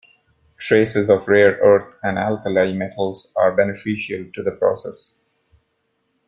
Traces of rare earth and alkali metals are beneficial to the process.